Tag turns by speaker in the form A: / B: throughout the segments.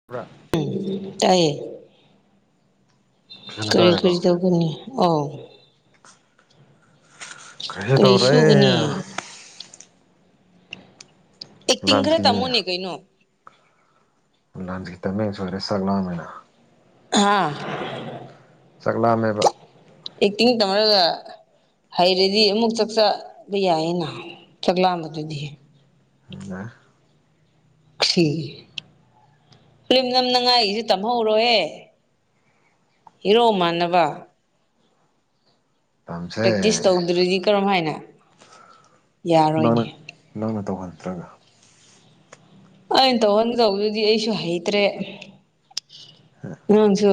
A: [unintelligible]
B: ꯎꯝ ꯇꯥꯏꯌꯦ
A: ꯐꯖꯅ
B: ꯀꯔꯤ ꯀꯔꯤ ꯇꯧ ꯑꯥꯎ
A: ꯀꯩꯁꯨ
B: ꯀꯔꯤ ꯁꯨꯒꯅꯤ
A: ꯇꯧꯔꯣꯏꯌꯦ
B: ꯑꯦꯛꯇꯤꯡ
A: ꯂꯟꯁꯀꯤ
B: ꯈꯔ ꯇꯝꯃꯣꯅꯦ ꯀꯩꯅꯣ
A: ꯂꯥꯟꯁꯤ ꯇꯃꯦꯡ ꯁꯣꯏꯔꯦ ꯁꯛꯂꯥꯑꯃꯦꯅ
B: ꯍꯥꯥ
A: ꯆꯥꯛ ꯂꯥꯝꯃꯦꯕ
B: ꯑꯦꯛꯇꯤꯡ ꯇꯝꯔꯒ ꯍꯩꯔꯗꯤ ꯑꯃꯨꯛ ꯆꯥꯛꯆꯥꯕ ꯌꯥꯏꯌꯦꯅ ꯆꯥꯛꯂꯥꯝꯕꯗꯨꯗꯤ
A: ꯑ
B: ꯈ꯭ꯔꯤ ꯐꯂꯤꯝ ꯅꯝꯅꯉꯥꯏ ꯑꯩꯁꯨ ꯇꯝꯍꯧꯔꯣꯍꯦ ꯍꯤꯔꯣ ꯃꯥꯟꯅꯕ
A: ꯇꯝꯁꯦ
B: ꯄ꯭ꯔꯦꯛꯇꯤꯁ ꯇꯧꯗ꯭ꯔꯗꯤ ꯀꯔꯝ ꯍꯥꯏꯅ
A: ꯅꯪꯅ
B: ꯌꯥꯔꯣꯏꯅꯤ
A: ꯅꯪꯅ ꯇꯧꯍꯟꯗ꯭ꯔꯒ
B: ꯑꯩꯅ ꯇꯧꯍꯟ ꯇꯧꯕꯗꯨꯗꯤ ꯑꯩꯁꯨ ꯍꯩꯇ꯭ꯔꯦ ꯅꯪꯁꯨ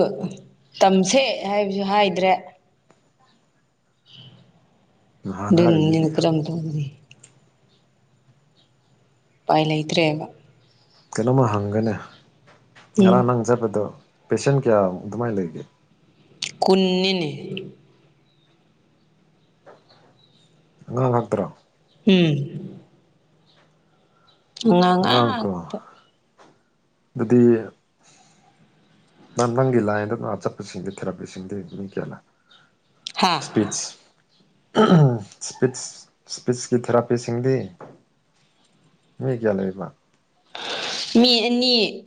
B: ꯇꯝꯁꯦ ꯍꯥꯏꯕꯁꯨ ꯍꯥꯏꯗ꯭ꯔꯦ
A: ꯅꯍꯥꯟ ꯍꯥꯏꯔꯤꯗꯨꯗꯤ
B: ꯗꯨꯅꯅꯤ ꯀꯝꯗꯅꯤ ꯎꯄꯥꯏ ꯂꯩꯇ꯭ꯔꯦꯕ
A: ꯀꯩꯅꯣꯝꯃ ꯍꯪꯒꯦꯅꯦ
B: ꯎꯝ
A: ꯉꯔꯥꯡ ꯅꯪ ꯆꯠꯕꯗꯣ ꯄꯦꯁꯦꯟ ꯀꯌꯥꯃꯨ ꯑꯗꯨꯃꯥꯏꯅ ꯂꯩꯒꯦ
B: ꯀꯨꯟꯅꯤꯅꯦ
A: ꯉꯥꯡ ꯉꯥꯛꯠꯇ꯭ꯔꯣ
B: ꯎꯝ ꯑꯉꯥꯡ
A: ꯉꯥꯡ ꯀ
B: ꯉꯥꯛꯇ
A: ꯑꯗꯨꯗꯤ ꯅ ꯅꯪꯒꯤ ꯂꯥꯏꯟꯗ ꯅ ꯆꯠꯄꯁꯤꯡꯗꯤ ꯊꯦꯔꯥꯄꯤꯁꯤꯡꯗꯤ ꯃꯤ ꯀꯌꯥꯂ
B: ꯍꯥꯥ
A: ꯏꯁꯄꯤꯁ ꯁꯄꯤꯠꯁ ꯁꯄꯤꯠꯁꯀꯤ ꯊꯦꯔꯥꯄꯤꯁꯤꯡꯗꯤ ꯃꯤꯒꯌꯥ ꯂꯩꯕ
B: ꯃꯤ ꯑꯅꯤ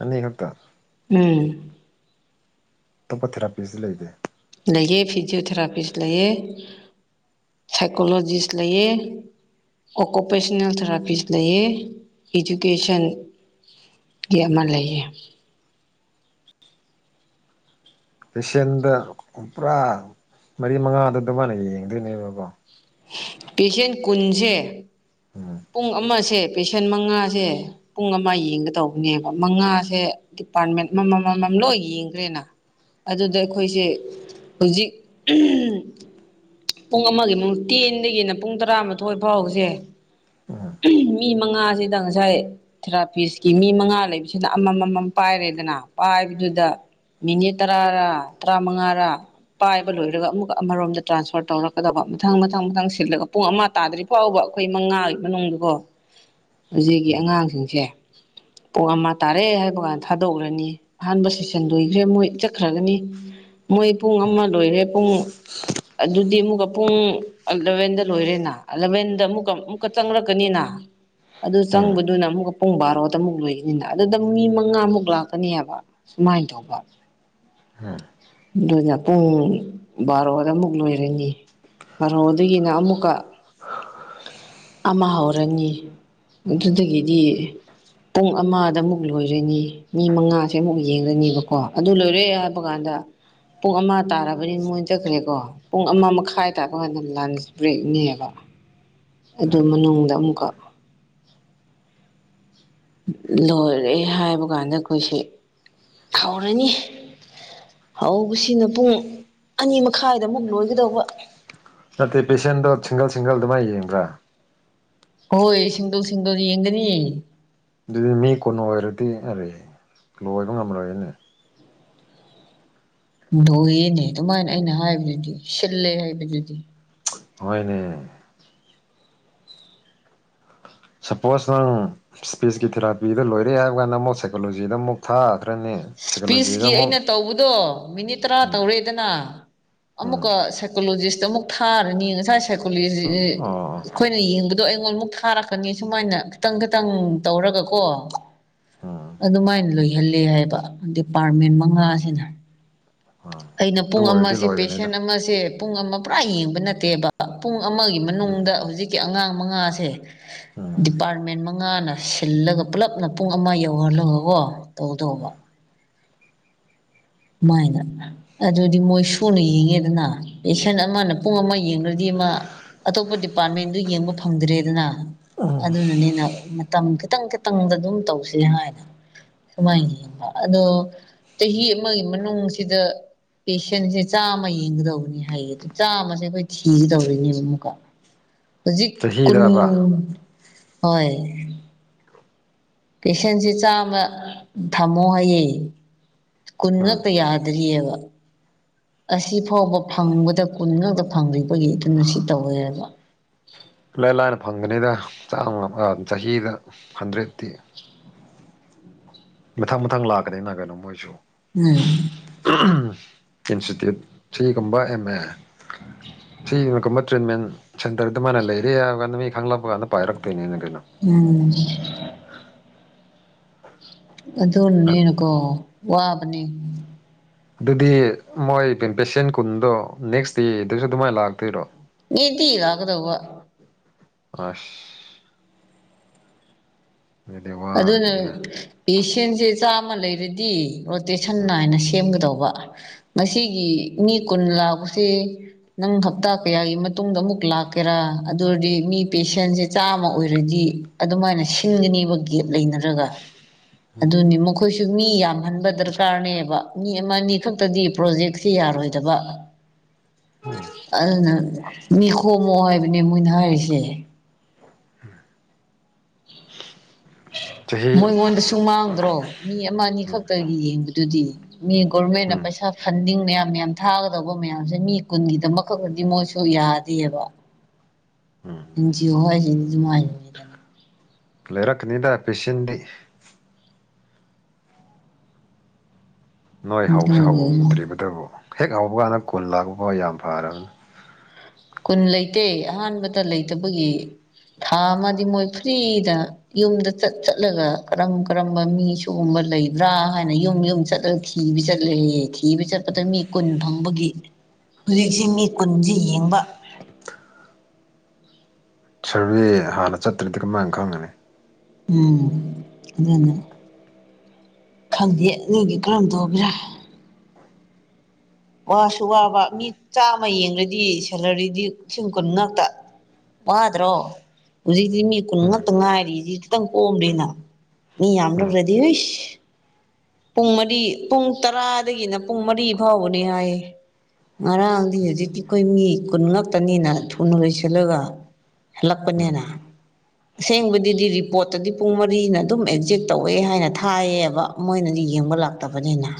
A: ꯑꯅꯤ ꯈꯛꯇ
B: ꯎꯝ
A: ꯑꯇꯣꯞꯄꯊꯦꯔꯥꯄꯤꯁꯤ ꯂꯩꯇꯦ
B: ꯂꯩꯑ ꯐꯤꯖꯤꯑꯣꯊꯦꯔꯥꯄꯤꯁ ꯂꯩꯑ ꯁꯥꯏꯀꯣꯂꯣꯖꯤꯁ ꯂꯩꯌꯦ ꯑꯣꯀꯨꯄꯦꯁꯟꯅꯜ ꯊꯦꯔꯥꯄꯤꯁ ꯂꯩꯌꯦ ꯏꯗꯨꯀꯦꯁꯟ ꯒꯤ ꯑꯃ ꯂꯩꯌꯦ
A: ꯄꯦꯁꯦꯟꯗ ꯄꯨꯔꯥ ꯃꯔꯤ ꯃꯉꯥꯗꯨ ꯑꯗꯨꯃꯥꯏꯅ ꯌꯦꯡꯗꯣꯏꯅꯦꯕꯀꯣ
B: ꯄꯦꯁꯦꯟ ꯀꯨꯟꯁꯦ
A: ꯎꯝ
B: ꯄꯨꯡ ꯑꯃꯁꯦ ꯄꯦꯁꯦꯟ ꯃꯉꯥꯁꯦ ꯄꯨꯡ ꯑꯃ ꯌꯦꯡꯒꯗꯧꯕꯅꯦꯕ ꯃꯉꯥꯁꯦ ꯗꯤꯄꯥꯔꯠꯃꯦꯟ ꯑꯃꯃꯝ ꯑꯃꯃꯝ ꯂꯣꯏ ꯌꯦꯡꯈ꯭ꯔꯦꯅ ꯑꯗꯨꯗ ꯑꯩꯈꯣꯏꯁꯦ ꯍꯧꯖꯤꯛ ꯄꯨꯡ ꯑꯃꯒꯤ ꯃ ꯇꯦꯟꯗꯒꯤꯅ ꯄꯨꯡ ꯇꯔꯥꯃꯥꯊꯣꯏ ꯐꯥꯎꯁꯦ
A: ꯎꯝ
B: ꯃꯤ ꯃꯉꯥꯁꯤꯗ ꯉꯁꯥꯏ ꯊꯦꯔꯥꯄꯤꯁꯀꯤ ꯃꯤ ꯃꯉꯥ ꯂꯩꯕꯁꯤꯅ ꯑꯃꯃꯝ ꯑꯃꯃꯝ ꯄꯥꯏꯔꯦꯗꯅ ꯄꯥꯏꯕꯗꯨꯗ ꯃꯤꯅꯤꯠ ꯇꯔꯥꯔꯥ ꯇꯔꯥꯃꯉꯥꯔꯥ ꯀꯣ ꯂꯣꯏꯔꯒ ꯑꯃꯨꯛꯀ ꯑꯃꯔꯣꯝꯗ ꯇ꯭ꯔꯥꯟꯁꯐꯔ ꯇꯧꯔꯛꯀꯗꯕ ꯃꯊꯪ ꯃꯊꯪ ꯃꯊꯪ ꯁꯤꯜꯂꯒ ꯄꯨꯡ ꯑꯃ ꯇꯥꯗꯔꯤ ꯑꯐꯥꯎꯕ ꯑꯩꯈꯣꯏ ꯃꯉꯥꯒꯤ ꯃꯅꯨꯡꯗꯀꯣ ꯍꯧꯖꯤꯛꯒꯤ ꯑꯉꯥꯡꯁꯤꯡꯁꯦ ꯄꯣꯛ ꯑꯃ ꯇꯥꯔꯦ ꯍꯥꯏꯕ ꯀꯥꯟꯗ ꯊꯥꯗꯣꯛꯎꯈ꯭ꯔꯅꯤ ꯑꯍꯥꯟꯕ ꯁꯦꯁꯟ ꯂꯣꯏꯈ꯭ꯔꯦ ꯃꯣꯏ ꯆꯠꯈ꯭ꯔꯒꯅꯤ ꯃꯣꯏ ꯄꯨꯡ ꯑꯃ ꯂꯣꯏꯔꯦ ꯄꯨꯡ ꯑꯗꯨꯗꯤ ꯑꯃꯨꯛꯀꯥ ꯄꯨꯡ ꯑꯂꯚꯦꯟꯗ ꯂꯣꯏꯔꯦꯅꯥ ꯑꯂꯚꯦꯟꯗ ꯑꯃꯨꯛꯀꯥ ꯑꯃꯨꯛꯀꯥ ꯆꯪꯂꯛꯀꯥꯅꯤꯅ ꯑꯗꯨ
A: ꯎꯝ
B: ꯆꯪꯕꯗꯨꯅ ꯑꯃꯨꯛꯀꯥ ꯄꯨꯡ ꯕꯥꯔꯣ ꯇꯥꯃꯨꯛ ꯂꯣꯏꯒꯅꯤꯅ ꯑꯗꯨꯗ ꯃꯤ ꯃꯉꯥꯃꯨꯛ ꯂꯥꯛꯀꯅꯦꯕ ꯁꯨꯃꯥꯏꯅ ꯇꯧꯕ
A: ꯎꯝ
B: ꯑꯗꯨꯅ ꯄꯨꯡ ꯕꯥꯔꯣꯗ ꯑꯃꯨꯛ ꯂꯣꯏꯔꯅꯤ ꯕꯥꯔꯣꯗꯒꯤꯅ ꯑꯃꯨꯛꯀꯥ ꯑꯃ ꯍꯧꯔꯅꯤ ꯑꯗꯨꯗꯒꯤꯗꯤ ꯄꯨꯡ ꯑꯃꯗ ꯑꯃꯨꯛ ꯂꯣꯏꯔꯅꯤ ꯃꯤ ꯃꯉꯥꯁꯦ ꯑꯃꯨꯛ ꯌꯦꯡꯉꯅꯤꯕꯀꯣ ꯑꯗꯨ ꯂꯣꯏꯔꯦ [unintelligible] ꯀꯥꯟꯗ ꯄꯨꯡ ꯑꯃ ꯇꯥꯔꯕꯅꯤꯅ ꯃꯣꯏ ꯆꯠꯈ꯭ꯔꯦꯀꯣ ꯄꯨꯡ ꯑꯃ ꯃꯈꯥꯏ ꯇꯥꯕ ꯀꯥꯟꯗ ꯂꯥꯟꯁ ꯕ꯭ꯔꯦꯛꯅꯦꯕ ꯑꯗꯨ
A: ꯎꯝ
B: ꯃꯅꯨꯡꯗ ꯑꯃꯨꯛꯀꯥ ꯂꯣꯏꯔꯦ ꯍꯥꯏꯕ ꯀꯥꯟꯗ ꯑꯩꯈꯣꯏꯁꯦ ꯍꯧꯎꯔꯅꯤ ꯍꯧꯕꯁꯤꯅ ꯄꯨꯡ ꯑꯅꯤ ꯃꯈꯥꯏꯗ ꯑꯃꯨꯛ ꯂꯣꯏꯒꯗꯧꯕ
A: ꯅꯠꯇꯦ ꯄꯦꯁꯦꯟꯗꯣ ꯁꯤꯡꯒꯜ ꯁꯤꯡꯒꯜꯗꯨꯃꯥꯏ ꯌꯦꯡꯕ꯭ꯔꯥ
B: ꯍꯣꯏ ꯁꯤꯡꯒꯜ ꯁꯤꯡꯒꯜ ꯌꯦꯡꯒꯅꯤ
A: ꯑꯗꯨꯗꯤ ꯃꯤ ꯀꯨꯟ ꯑꯣꯏꯔꯗꯤ ꯑꯔꯦ ꯂꯣꯏꯕ ꯉꯝꯔꯣꯏꯅꯦ
B: ꯂꯣꯏꯌꯦꯅꯦ ꯑꯗꯨꯃꯥꯏꯅ ꯑꯩꯅ ꯍꯥꯏꯕꯗꯨꯗꯤ ꯁꯤꯜꯂꯦ ꯍꯥꯏꯕꯗꯨꯗꯤ
A: ꯍꯣꯅꯦ ꯁꯄꯣꯁ ꯅꯪ ꯁ꯭ꯄꯦꯁꯀꯤ ꯊꯦꯔꯥꯄꯤꯗ ꯂꯣꯏꯔꯦ ꯍꯥꯏꯕ ꯀꯥꯟꯗ ꯑꯃꯨꯛ ꯁꯥꯏꯀꯣꯂꯣꯖꯤꯗ ꯑꯃꯨꯛ ꯊꯥꯒꯗ꯭ꯔꯥꯅꯦ
B: ꯏꯁꯄꯤꯁꯀꯤ ꯑꯩꯅ ꯇꯧꯕꯗꯣ ꯃꯤꯅꯤꯠ ꯇꯔꯥ
A: ꯎꯝ
B: ꯇꯧꯔꯦꯗꯅ
A: ꯎꯝ
B: ꯑꯃꯨꯛꯀꯥ ꯁꯥꯏꯀꯣꯂꯣꯖꯤꯁꯇꯥ ꯑꯃꯨꯛ ꯊꯥꯔꯅꯤ ꯉꯁꯥꯏ ꯁꯥꯏꯀꯣꯂꯣꯖꯤ
A: ꯑꯣ ꯑꯣ
B: ꯑꯩꯈꯣꯏꯅ ꯌꯦꯡꯕꯗꯣ ꯑꯩꯉꯣꯟꯗ ꯑꯃꯃꯨꯛ ꯊꯥꯔꯛꯀꯥꯅꯤ ꯁꯨꯃꯥꯏꯅ ꯈꯤꯇꯪ ꯈꯤꯇꯪ ꯇꯧꯔꯒꯀꯣ
A: ꯎꯝ
B: ꯑꯗꯨꯃꯥꯏꯟ ꯂꯣꯏꯍꯜꯂꯦ ꯍꯥꯏꯕ ꯗꯤꯄꯥꯔꯠꯃꯦꯟ ꯃꯉꯥꯁꯤꯅ ꯑꯩꯅ
A: ꯑꯗꯨ
B: ꯄꯨꯡ
A: ꯑꯣꯏꯔꯗꯤ
B: ꯑꯃꯁꯦ ꯄꯦꯁꯦꯟ
A: ꯂꯣꯏꯒꯅꯤꯗ
B: ꯑꯃꯁꯦ ꯄꯨꯡ ꯑꯃ ꯄꯨꯔꯥ ꯌꯦꯡꯕ ꯅꯠꯇꯦꯕ ꯄꯨꯡ ꯑꯃꯒꯤ
A: ꯎꯝ
B: ꯃꯅꯨꯡꯗ ꯍꯧꯖꯤꯛꯀꯤ ꯑꯉꯥꯡ ꯃꯉꯥꯁꯦ ꯗꯤꯄꯥꯔꯠꯃꯦꯟ ꯃꯉꯥꯅ ꯁꯤꯜꯂꯒ ꯄꯨꯂꯞꯅ ꯄꯨꯡ ꯑꯃ ꯌꯧꯍꯜꯂꯒꯀꯣ ꯇꯧꯗꯧꯕ ꯃꯥꯏꯅ ꯑꯗꯨꯗꯤ ꯃꯣꯏ ꯁꯨꯅ ꯌꯦꯡꯉꯦꯗꯅ ꯄꯦꯁꯦꯟ ꯑꯃꯅ ꯄꯨꯡ ꯑꯃ ꯌꯦꯡ ꯔꯥꯗꯤ ꯃꯥ ꯑꯇꯣꯞꯄ ꯗꯤꯄꯥꯔꯠꯃꯦꯟꯗꯨ ꯌꯦꯡꯕ ꯐꯪꯗ꯭ꯔꯦꯗꯅ
A: ꯎꯝ
B: ꯑꯗꯨꯅꯅꯤꯅ ꯃꯇꯝ ꯈꯤꯇꯪ ꯈꯤ ꯇꯪꯗ ꯑꯗꯨꯝ ꯇꯧꯁꯤ ꯍꯥꯏꯅ ꯁꯨꯃꯥꯏꯅ ꯌꯦꯡꯕ ꯑꯗꯣ ꯆꯍꯤ ꯑꯃꯒꯤ ꯃꯅꯨꯡꯁꯤꯗ ꯄꯦꯁꯦꯟꯁꯦ ꯆꯥꯝꯃ ꯌꯦꯡꯒꯗꯧꯕꯅꯤ ꯍꯥꯏꯌꯦ ꯑꯗꯨ ꯆꯥꯃꯁꯦ ꯑꯩꯈꯣꯏ ꯊꯤꯒꯗꯧꯔꯤꯅꯦꯕ ꯑꯃꯨꯛꯀꯥ ꯍꯧꯖꯤꯛ ꯀꯨꯟ
A: ꯆꯍꯤꯗꯕ
B: ꯍꯣꯏ ꯄꯦꯁꯦꯟꯁꯦ ꯆꯥꯝꯃ ꯊꯝꯃꯣ ꯍꯥꯏꯌꯦ ꯀꯨꯟ
A: ꯎꯝ
B: ꯉꯛꯇꯥ ꯌꯥꯗ꯭ꯔꯤꯑꯕ ꯑꯁꯤ ꯐꯥꯎꯕ ꯐꯪꯕꯗ ꯀꯨꯟ ꯉꯛꯇꯥ ꯐꯪꯗ꯭ꯕꯒꯤ ꯑꯗꯨꯅ ꯁꯤ ꯇꯧꯋꯦꯕ
A: ꯏꯂꯥꯏ ꯂꯥꯏꯅ ꯐꯪꯒꯅꯤꯗ ꯆꯥꯡ ꯆꯍꯤꯗ ꯍꯟꯗ꯭ꯔꯦꯠꯇꯤ ꯃꯊꯪ ꯃꯊꯪ ꯂꯥꯛꯀꯅꯤ ꯅꯥ ꯒꯩꯅꯣ ꯃꯣꯏꯁꯨ
B: ꯎꯝ
A: ꯏꯟꯁꯇꯤꯇ꯭ꯌꯨꯠ ꯁꯤꯒꯨꯝꯕ ꯑꯦꯝ ꯃꯦ ꯁꯤꯅ ꯀꯨꯝꯕ ꯇ꯭ꯔꯤꯠꯃꯦꯟ ꯁꯦꯟꯇꯔꯗ ꯃꯥꯅ ꯂꯩꯔꯦ ꯍꯥꯏꯕ ꯀꯥꯟꯗ ꯃꯤ ꯈꯪꯂꯛꯄ ꯀꯥꯟꯗ ꯄꯥꯏꯔꯛꯇꯣꯏꯅꯦꯅ ꯀꯩꯅꯣ
B: ꯎꯝ ꯑꯗꯨꯅꯅꯦꯅꯀꯣ ꯋꯥꯕꯅꯤ
A: ꯑꯗꯨꯗꯤ ꯃꯣꯏ ꯄꯦꯁꯦꯟ ꯀꯨꯟꯗꯣ ꯅꯦꯛꯁ ꯗꯦꯗꯁꯨ ꯑꯗꯨꯃꯥꯏꯟ ꯂꯥꯛꯇꯣꯏꯔꯣ
B: ꯆꯦꯄꯤ ꯂꯥꯛꯒꯗꯧꯕ
A: ꯑꯁ ꯑꯗꯨꯗꯤ
B: ꯑꯗꯨꯅ
A: ꯋꯥꯒꯅꯤꯍꯦ
B: ꯄꯦꯁꯦꯟꯁꯦ ꯆꯥꯝꯃ ꯂꯩꯔꯗꯤ ꯔꯣꯇꯦꯁꯟ ꯅꯥꯏꯅ ꯁꯦꯝꯒꯗꯧꯕ ꯉꯁꯤꯒꯤ ꯃꯤ ꯀꯨꯟ ꯂꯥꯛꯄꯁꯤ ꯅꯪ ꯍꯞꯇꯥ ꯀꯌꯥꯒꯤ ꯃꯇꯨꯡꯗ ꯑꯃꯨꯛ ꯂꯥꯛꯀꯦꯔꯥ ꯑꯗꯨ ꯑꯣꯏꯔꯗꯤ ꯃꯤ ꯄꯦꯁꯦꯟꯁꯦ ꯆꯥꯝꯃ ꯑꯣꯏꯔꯗꯤ ꯑꯗꯨꯃꯥꯏꯅ ꯁꯤꯟꯒꯅꯦꯕ ꯒꯦꯠ ꯂꯩꯅꯔꯒ
A: ꯎꯝ
B: ꯑꯗꯨꯅꯤ ꯃꯈ ꯑꯩꯈꯣꯏꯁꯨ ꯃꯤ ꯌꯥꯝꯍꯟꯕ ꯗꯔꯀꯥꯔꯅꯦꯕ ꯃꯤ ꯑꯃ ꯑꯅꯤ ꯈꯛꯇꯗꯤ ꯄ꯭ꯔꯣꯖꯦꯛꯁꯦ ꯌꯥꯔꯣꯏꯗꯕ [unintelligible]
A: ꯎꯝ
B: ꯑꯗꯨꯅ ꯃꯤ ꯈꯣꯝꯃꯣ ꯍꯥꯏꯕꯅꯦ ꯃꯣꯏꯅ ꯍꯥꯏꯔꯤꯁꯦ
A: [unintelligible] ꯆꯍꯤ
B: ꯃꯣꯏ ꯒꯣꯟꯗꯁꯨ ꯁꯨꯃꯥꯡꯗ꯭ꯔꯣ ꯃꯤ ꯑꯃ ꯑꯅꯤ ꯈꯛꯇꯒꯤ ꯌꯦꯡꯕꯗꯨꯗꯤ ꯃꯤ ꯒꯣꯔꯃꯦꯟꯅ
A: ꯎꯝ
B: ꯄꯩꯁꯥ ꯐꯟꯗꯤꯡ ꯃꯌꯥꯝ ꯃꯌꯥꯝ ꯊꯥꯒꯗꯧꯕ ꯃꯌꯥꯝꯁꯦ ꯃꯤ ꯀꯨꯟꯒꯤꯗꯃꯛꯈꯛꯇꯗꯤ ꯃꯣꯏꯁꯨ ꯌꯥꯗꯦꯕ
A: ꯎꯝ
B: ꯑꯦꯟ ꯖꯤ ꯑꯣ ꯍꯥꯏꯒ ꯑꯗꯨ ꯃꯥꯏ
A: ꯂꯩꯔꯛꯀꯅꯤꯗ ꯄꯦꯁꯦꯟꯗꯤ ꯅꯣꯏ ꯍꯧꯁꯤ
B: ꯑꯗꯨꯃꯥꯏꯅꯅꯤꯗꯅ
A: ꯍꯧꯗ꯭ꯔꯤꯕꯇꯕꯨ ꯍꯦꯛ ꯍꯧꯕꯀꯥꯟꯗ ꯀꯨꯟ ꯂꯥꯛꯄꯐꯥꯎ ꯌꯥꯝ ꯐꯔꯕꯅꯤ
B: ꯀꯨꯟ ꯂꯩꯇꯦ ꯑꯍꯥꯟꯕꯗ ꯂꯩꯇꯕꯒꯤ ꯊꯥ ꯑꯃꯗꯤ ꯃꯣꯏ ꯐ꯭ꯔꯤꯗ ꯌꯨꯝꯗ ꯆꯠ ꯆꯠꯂꯒ ꯀꯔꯝ ꯀꯔꯝꯕ ꯃꯤ ꯁꯤꯒꯨꯝꯕ ꯂꯩꯕ꯭ꯔꯥ ꯍꯥꯏꯅ ꯌꯨꯝ ꯌꯨꯝ ꯆꯠꯂ ꯊꯤ ꯊꯤꯕꯤ ꯆꯠꯂꯦ ꯊꯤꯕ ꯆꯠꯄꯗ ꯃꯤ ꯀꯨꯟ ꯐꯪꯕꯒꯤ ꯍꯧꯖꯤꯛꯁꯤ ꯃꯤ ꯀꯨꯟꯁꯤ ꯌꯦꯡꯕ
A: ꯁꯔꯚꯦ ꯍꯥꯟꯅ ꯆꯠꯇ꯭ꯔꯗꯤ ꯀꯃꯥꯏꯅ ꯈꯪꯒꯅꯤ
B: ꯎꯝ ꯑꯗꯨꯅꯦ ꯈꯪꯗꯦ ꯅꯣꯏꯒꯤ ꯀꯔꯝ ꯇꯧꯒꯦꯔꯥ ꯋꯥꯁꯨ ꯋꯥꯕ ꯃꯤ ꯆꯥꯝꯃ ꯌꯦꯡꯉꯗꯤ ꯁꯦꯂꯔꯤꯗꯤ ꯂꯤꯁꯤꯡ ꯀꯨꯟ ꯉꯥꯛꯇ ꯋꯥꯗ꯭ꯔꯣ ꯍꯧꯖꯤꯛꯗꯤ ꯃꯤ ꯀꯨꯟ
A: ꯎꯝ
B: ꯉꯥꯛꯇ ꯉꯥꯏꯔꯤꯁꯤ ꯈꯤꯇꯪ ꯀꯣꯝꯗ꯭ꯔꯤꯅ ꯃꯤ
A: ꯎꯝ
B: ꯌꯥꯝꯗꯕ꯭ꯔꯥ ꯑꯢ ꯄꯨꯡ ꯃꯔꯤ ꯄꯨꯡ ꯇꯔꯥꯗꯒꯤꯅ ꯄꯨꯡ ꯃꯔꯤ ꯐꯥꯎꯕꯅꯤ ꯍꯥꯏꯌꯦ ꯉꯔꯥꯡꯗꯤ ꯍꯧꯖꯤꯛꯇꯤ ꯑꯩꯈꯣꯏ ꯃꯤ ꯀꯨꯟ ꯉꯥꯛꯇ ꯅꯤꯅ ꯊꯨꯅ ꯂꯣꯏꯁꯤꯜꯂꯒ
A: ꯎꯝ
B: ꯍꯜꯂꯛꯄꯅꯤꯅ ꯑꯁꯦꯡꯕꯗꯨꯗꯤ ꯔꯤꯄꯣꯔꯠꯇꯗꯤ ꯄꯨꯡ ꯃꯔꯤꯅ ꯑꯗꯨꯝ ꯑꯦꯛꯖꯦꯛ ꯇꯧꯋꯦ ꯍꯥꯏꯅ ꯊꯥꯏꯌꯦꯕ ꯃꯣꯏꯅꯗꯤ ꯌꯦꯡꯕ ꯂꯥꯛꯇꯕꯅꯤꯅ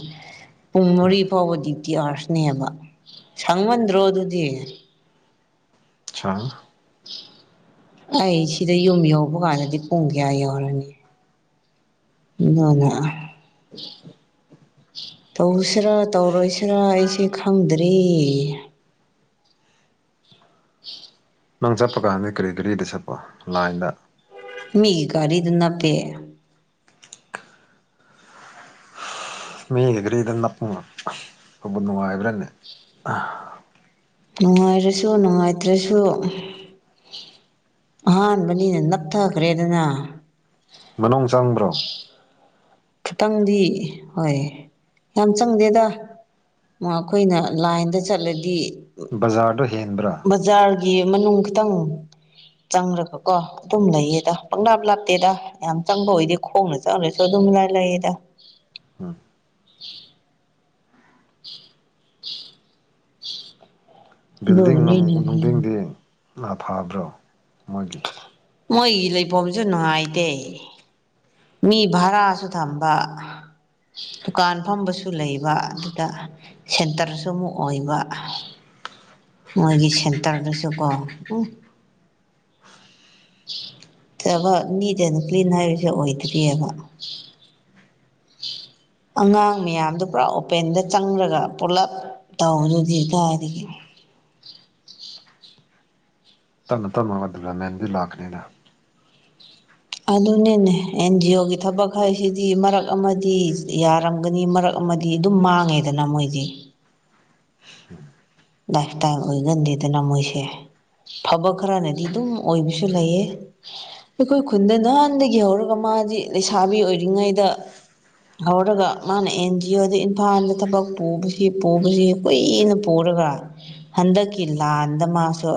B: ꯄꯨꯡ ꯃꯔꯤ ꯐꯥꯎꯕ ꯗ꯭ꯌꯨꯇꯤ ꯑꯥꯔꯁꯅꯦꯕ ꯁꯪꯃꯟꯗ꯭ꯔꯣ ꯑꯗꯨꯗꯤ
A: ꯁꯥꯛꯉꯦ
B: ꯑꯩ ꯁꯤꯗ ꯌꯨꯝ ꯌꯧꯕ ꯀꯥꯟꯗꯗꯤ ꯄꯨꯡ ꯀꯌꯥ ꯌꯧꯔꯅꯤ ꯑꯗꯨꯅ ꯇꯧꯁꯤꯔꯥ ꯇꯧꯔꯣꯏꯁꯤꯔꯥ ꯑꯩꯁꯦ ꯈꯪꯗ꯭ꯔꯤ [unintelligible]
A: ꯅꯪ ꯆꯠꯄ ꯀꯥꯟꯗ ꯀꯔꯤ ꯒꯥꯔꯤꯗ ꯆꯠꯄ ꯂꯥꯏꯟꯗ
B: ꯃꯤꯒꯤ ꯒꯥꯔꯤꯗ ꯅꯞꯄꯦ
A: ꯃꯤꯒꯤ ꯒꯥꯔꯤꯗ ꯅꯞꯄꯨꯡꯕ ꯑꯕ ꯅꯨꯡꯉꯥꯏꯕ꯭ꯔꯅꯦ
B: ꯅꯨꯡꯉꯥꯏꯔꯁꯨ ꯅꯨꯡꯉꯥꯏꯇ꯭ꯔꯁꯨ ꯑꯍꯥꯟꯕꯅꯤꯅ ꯅꯞꯊꯈ꯭ꯔꯦꯗꯅ
A: ꯃꯅꯨꯡ ꯆꯪꯕ꯭ꯔꯣ
B: ꯈꯤꯇꯪꯗꯤ ꯍꯣꯏ ꯌꯥꯝ ꯆꯪꯗꯦꯗ ꯑꯈꯣꯏꯅ ꯂꯥꯏꯟꯗ ꯆꯠꯂꯗꯤ
A: ꯕꯖꯥꯔꯗꯣ ꯍꯦꯟꯕ꯭ꯔꯥ
B: ꯕꯖꯥꯔꯒꯤ ꯃꯅꯨꯡ ꯈꯤꯇꯪ ꯆꯪꯔꯒ ꯀꯣ ꯑꯗꯨꯝ ꯂꯩꯌꯦꯗ ꯄꯪꯪꯂꯥꯞ ꯂꯥꯞꯇꯦꯗ ꯌꯥꯝ ꯆꯪꯕ ꯑꯣꯏꯗꯦ ꯈꯣꯡꯅ ꯆꯪ꯭ꯔꯁꯨ ꯑꯗꯨꯝ ꯢꯂꯥꯢ ꯂꯥꯢꯔꯦꯗ
A: ꯎꯝ
B: [inaudible]
A: ꯕꯤꯜꯗꯤꯡ ꯑꯃꯨꯛ
B: ꯑꯗꯨꯅꯅꯤꯅꯦ
A: ꯅꯨꯡꯗꯤꯡꯗꯤ ꯐꯕ꯭ꯔꯣ ꯃꯣꯏꯒꯤ
B: ꯃꯣꯏꯒꯤ ꯂꯩꯐꯝꯁꯨ ꯅꯨꯡꯉꯥꯏꯇꯦ ꯃꯤ ꯚꯔꯥꯁꯨ ꯊꯝꯕ ꯗꯨꯀꯥꯟ ꯐꯝꯕꯁꯨ ꯂꯩꯕ ꯑꯗꯨꯗ ꯁꯦꯟꯇꯔꯁꯨ ꯑꯃꯨꯛ ꯑꯣꯏꯕ ꯃꯣꯏꯒꯤ ꯁꯦꯟꯇꯔꯗꯨꯁꯨ ꯀꯣ ꯎꯝ ꯊꯕꯛ ꯃꯤꯗꯅ ꯀ꯭ꯂꯤꯟ ꯍꯥꯏꯕꯁꯦ ꯑꯣꯏꯗ꯭ꯔꯤꯑꯦꯕ ꯎ [inaudible] ꯑꯉꯥꯡ ꯃꯌꯥꯝꯗꯨ ꯄꯨꯔꯥꯞ ꯑꯣꯄꯦꯟꯗ ꯆꯪꯔꯒ ꯄꯨꯂꯞ ꯇꯧꯕꯨꯗꯤ ꯀꯗꯥꯢꯗꯒꯤ
A: ꯇꯞꯅ ꯇꯞꯅ ꯗꯤꯕꯂꯞꯃꯦꯟꯗꯨ ꯂꯥꯛꯀꯅꯤꯅ
B: ꯑꯗꯨꯅꯤꯅꯦ ꯑꯦꯟ ꯖꯤ ꯑꯣꯒꯤ ꯊꯕꯛ ꯍꯥꯏꯁꯤꯗꯤ ꯃꯔꯛ ꯑꯃꯗꯤ ꯌꯥꯔꯝꯒꯅꯤ ꯃꯔꯛ ꯑꯃꯗꯤ ꯗꯤ ꯑꯗꯨꯝ ꯃꯥꯡꯉꯦꯗꯅ ꯃꯣꯏꯗꯤ ꯂꯥꯏꯐ ꯇꯥꯏꯜ ꯑꯣꯏꯒꯟꯗꯦꯗꯅ ꯃꯣꯏꯁꯦ ꯐꯕ ꯈꯔꯅꯗꯤ ꯑꯗꯨꯝ ꯑꯣꯏꯕꯁꯨ ꯂꯩꯌꯦ ꯑꯩꯈꯣꯏ ꯈꯨꯟꯗ ꯅꯍꯥꯟꯗꯒꯤ ꯍꯧꯔꯒ ꯃꯥꯗꯤ ꯂꯩꯁꯥꯕꯤ ꯑꯣꯏꯔꯤꯉꯩꯗ ꯍꯧꯔꯒ ꯃꯥꯅ ꯑꯦꯟ ꯖꯤ ꯑꯣꯗ ꯏꯝꯐꯥꯜꯗ ꯊꯕꯛ ꯄꯨꯕꯁꯤ ꯄꯨꯕꯁꯤ ꯀꯨꯏꯅ ꯄꯨꯔꯒ ꯍꯟꯗꯛꯀꯤ ꯂꯥꯟꯗ ꯃꯥꯁꯨ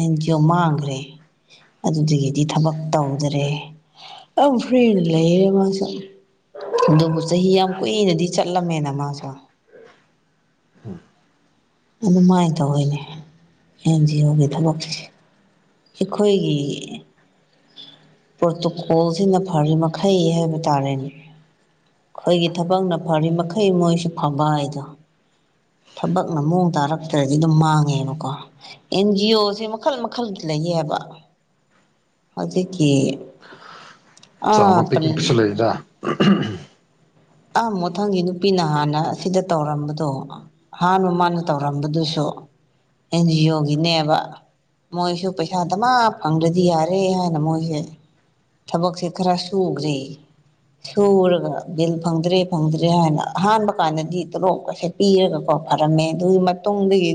B: ꯑꯦꯟꯖꯤꯑꫭ ꯃꯥꯡꯈ꯭ꯔꯦ ꯑꯗꯨꯗꯒꯤꯗꯤ ꯊꯕꯛ ꯇꯧꯗ꯭ꯔꯦ ꯑꯗꯨꯝ ꯐ꯭ꯔꯤꯗ ꯂꯩꯌꯦ ꯃꯥꯁꯨ ꯑꯗꯨꯕꯨ ꯆꯍꯤ ꯌꯥꯝ ꯀꯨꯏꯅꯗꯤ ꯆꯠꯂꯝꯃꯦꯅ ꯃꯥꯁꯨ ꯑꯗꯨꯃꯥꯏꯅ ꯇꯧꯋꯤꯅꯦ ꯑꯦꯟ ꯖꯤ ꯑꯣꯒꯤ ꯊꯕꯛꯁ‌ꯦ ꯑꯩꯈꯣꯏꯒꯤ ꯄ꯭ꯔꯣꯇꯨꯀꯣꯜꯁꯤꯅ ꯐꯔꯤ ꯃꯈꯩ ꯍꯥꯏꯕ ꯇꯥꯔꯦꯅꯦ ꯑꯩꯈꯣꯏꯒꯤ ꯊꯕꯛꯅ ꯐꯔꯤ ꯃꯈꯩ ꯃꯣꯏꯁꯨ ꯐꯥꯕ ꯍꯥꯏꯗꯣ ꯊꯕꯛꯅ ꯃꯑꯣꯡ ꯇꯥꯔꯛꯇ꯭ꯔꯗꯤ ꯑꯗꯨꯝ ꯃꯥꯡꯉꯦꯕꯀꯣ ꯑꯦꯟꯖꯤ ꯑꯣꯁꯦ ꯃꯈꯜ ꯃꯈꯜ ꯂꯩꯌꯦꯕ ꯑꯗꯥꯀꯤ
A: ꯆꯥꯎꯕ ꯄꯤꯛꯕꯁꯨ ꯂꯩꯗ
B: ꯑꯥ ꯃꯊꯪꯒꯤ ꯅꯨꯄꯤꯅ ꯍꯥꯟꯅ ꯑꯁꯤꯗ ꯇꯧꯔꯝꯕꯗꯣ ꯍꯥꯟꯅ ꯃꯥꯃꯡꯗ ꯇꯧꯔꯝꯕꯗꯨꯁꯨ ꯑꯦꯟꯖꯤ ꯑꯣꯒꯤꯅꯦꯕ ꯃꯣꯏꯁꯨ ꯄꯩꯁꯥ ꯗꯃꯥ ꯐꯪꯗ꯭ꯔꯗꯤ ꯌꯥꯔꯦ ꯍꯥꯏꯅ ꯃꯣꯏꯁꯦ ꯊꯕꯛꯁꯦ ꯈꯔ ꯁꯨꯒ‍꯭ꯔ‌ꯦ ꯁꯨꯔꯒ ꯕꯤꯜ ꯐꯪꯗ꯭ꯔꯦ ꯐꯪꯗ꯭ꯔꯦ ꯍꯥꯏꯅ ꯑꯍꯥꯟꯕ ꯀꯥꯟꯗꯗꯤ ꯇꯣꯂꯣꯞꯀꯁꯦ ꯄꯤꯔꯒ ꯀꫭ ꯐꯔꯝꯃꯦ ꯑꯗꯨ ꯃꯇꯨꯡ ꯃꯇꯨꯡꯗꯒꯤ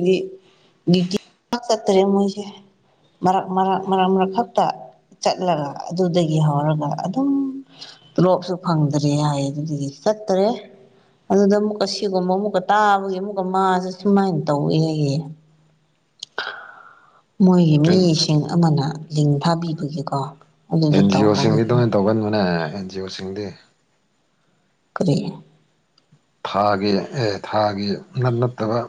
B: ꯗꯤ ꯇꯤ ꯄꯥꯛ ꯆꯠꯇ꯭ꯔꯦ ꯃꯣꯏꯁꯦ ꯃꯔꯛ ꯃꯔꯛ ꯃꯔꯛ ꯃꯔꯛ ꯈꯛꯇ ꯆꯠꯂꯒ ꯑꯗꯨꯗꯒꯤ ꯍꯧꯔꯒ ꯑꯗꯨꯝ ꯇꯣꯂꯣꯞꯁꯨ ꯐꯪꯗ꯭ꯔꯦ ꯍꯥꯏ ꯑꯗꯨꯒꯤ ꯆꯠꯇꯔꯦ ꯑꯗꯨꯗ ꯑꯃꯨꯛꯀ ꯁꯤꯒꯨꯝꯕ ꯑꯃꯨꯛꯀ ꯇꯥꯕꯒꯤ ꯑꯃꯨꯛꯀ ꯃꯥꯁꯦ ꯁꯨꯃꯥꯏꯅ ꯇꯧꯋꯦ ꯍꯥꯏꯌꯦ ꯃꯣꯏꯒꯤ
A: ꯑꯦꯟ
B: ꯃꯤꯁꯤꯡ ꯑꯃꯅ ꯂꯤꯡ ꯊꯥꯕꯤꯕꯒꯤꯀꯣ
A: ꯑꯦꯟ ꯖꯤ ꯑꯣ ꯁꯤꯡꯒꯤꯗꫭ ꯍꯦꯟ ꯇꯧꯒꯟꯕꯅꯦ ꯑꯦꯟ ꯖꯤ ꯑꯣ ꯁꯤꯡꯗꯤ
B: ꯀꯂꯤ
A: ꯊꯥꯒꯤ ꯑ‌ꯦ ꯊꯥꯒꯤ ꯅꯠ ꯅꯠꯇꯕ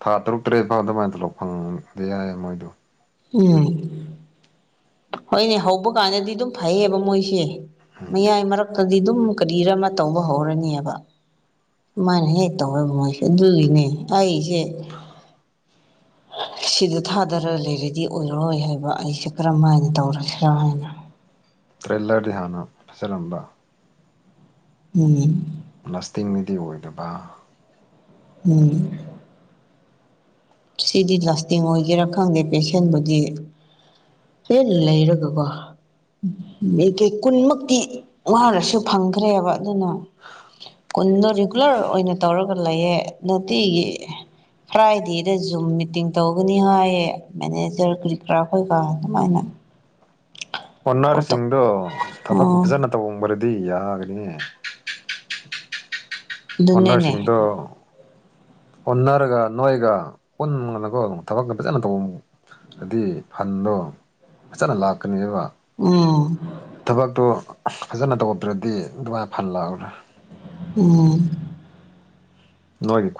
A: ꯊꯥ ꯇꯔꯨꯛ ꯇꯔꯦꯠ ꯐꯥꯎ ꯑꯗꯨꯃꯥꯏꯅ ꯇꯣꯂꯣꯞ ꯐꯪꯗꯦ ꯌꯥꯏꯌꯦ ꯃꯣꯏꯗꯣ
B: ꯎꯝ ꯍꯣꯏꯅꯦ ꯍꯧꯕ ꯀꯥꯟꯗꯗꯤ ꯑꯗꯨꯝ ꯐꯩꯌꯦꯕ ꯃꯣꯏꯁꯦ ꯃꯌꯥꯏ ꯃꯔꯛ ꯇꯗꯤ ꯑꯗꯨꯝ ꯀꯔꯤꯔ ꯑꯃ ꯇꯧꯕ ꯍꯧꯔꯅꯦꯕ ꯑꯗꯨꯃꯥꯏꯅ ꯍꯦꯛ ꯇꯧꯋ‌ꯦ ꯃꯣꯏꯁꯦ ꯑꯗꯨꯒꯤꯅꯦ ꯑꯩꯁꯦ ꯁꯤꯗ ꯊꯥꯗꯔ ꯂꯩꯔꯗꯤ ꯑꯣꯏꯔꯔꯣꯏ ꯍꯥꯏꯕ ꯑꯩꯁꯦ ꯀꯔꯝꯃꯥꯏꯅ ꯇꯧꯔꯁꯤꯔ ꯍꯥꯏꯅ
A: ꯇ꯭ꯔꯦꯂꯔꯗꯤ ꯍꯥꯟꯅ ꯐꯖꯔꯝꯕ
B: ꯎꯝ
A: ꯂꯥꯁꯇꯤꯡꯗꯤ ꯑꯣꯏꯗꯕ
B: ꯎꯝ ꯁꯤꯗꯤ ꯂꯥꯁꯇꯤꯡ ꯑꯣꯏꯒꯦꯔꯥ ꯈꯪꯗꯦ ꯄꯦꯁꯦꯟꯕꯨꯗꯤ ꯐꯨꯜ ꯂꯩꯔꯗꯧꯕ ꯃꯦꯀꯦ ꯀꯨꯟꯃꯛꯇꯤ ꯋꯥꯔꯁꯨ ꯐꯪꯈ꯭ꯔꯦꯕ ꯑꯗꯨꯅ ꯀꯨꯟꯗꯣ ꯔꯤꯒꯨꯂꯔ ꯑꯣꯏꯅ ꯇꯧꯔꯒ ꯂꯩꯌꯦ ꯅꯨꯇꯤꯒꯤ ꯐ꯭ꯔꯥꯏꯗ‌ꯦ ꯗꯦꯖꯨꯝ ꯃꯤꯇꯤꯡ ꯇꯧꯒꯅꯤ ꯍꯥꯏꯌꯦ ꯃꯦꯅꯦꯖꯔ ꯀ꯭ꯔꯤꯀ꯭ꯔꯥ ꯍꯣꯏꯒ ꯑꯗꯨꯃꯥꯏꯅ ꯄ꯭ꯔꯣꯇꯣ
A: ꯑꯣꯟꯅꯔꯁꯤꯡꯗꯣ ꯊꯕꯛ
B: ꯑꯣ
A: ꯐꯖꯅ ꯇꯧꯃ꯭ꯔꯗꯤ ꯌꯥꯒꯅꯤꯍ‌ꯦ
B: ꯑꯗꯨꯅꯤꯅꯦ
A: ꯑꯣꯅꯔꯁꯤꯡꯗꯣ ꯍꯣꯟꯅꯔꯒ ꯅꯣꯏꯒ ꯄꯨꯟꯒꯅꯀꯣ ꯊꯕꯛꯀ ꯐꯖꯅ ꯇꯧ ꯍꯥꯏꯗꯤ ꯐꯟꯗꯣ ꯐꯖꯅ ꯂꯥꯛꯀꯅꯦꯕ
B: ꯎꯝ
A: ꯊꯕꯛꯇꯨ ꯑꯁ ꯐꯖꯅ ꯇꯧꯗ꯭ꯔꯗꯤ ꯑꯗꯨꯃꯥꯏꯅ ꯐꯍꯜ ꯂꯥꯛꯎꯡꯑꯔꯣꯏ
B: ꯎꯝ
A: ꯅꯣꯏꯒꯤ ꯈꯨ